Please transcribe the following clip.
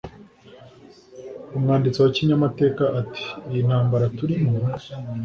umwanditsi wa kinyamateka ati: “iyi ntambara turimo,